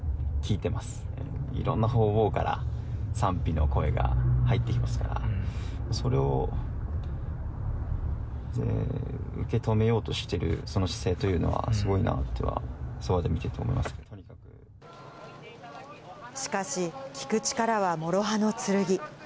いろんなほうぼうから、賛否の声が入ってきてますから、それを受け止めようとしてる、その姿勢というのはすごいなとは、そばで見しかし、聞く力はもろ刃の剣。